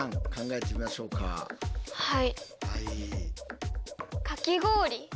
はい。